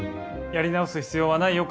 やり直す必要はないよ